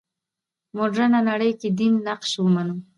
مډرنه نړۍ کې دین نقش ومنو.